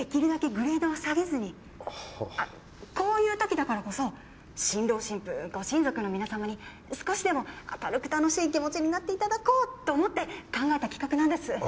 あっこういうときだからこそ新郎新婦ご親族の皆様に少しでも明るく楽しい気持ちになっていただこうと思って考えた企画なんです。